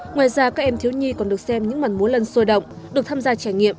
ngoài ra các em thiếu nhi còn được xem những màn múa lân sôi động được tham gia trải nghiệm